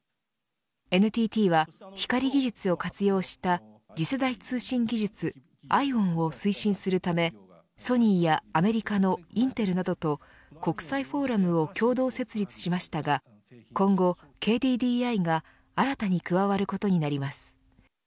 ＮＴＴは光技術を活用した次世代通信技術ＩＯＷＮを推進するためソニーやアメリカのインテルなどと国際フォーラムを共同設立しましたが今後ＫＤＤＩが新たに加わることになります。